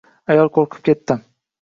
Ayol qo‘rqib ketdi.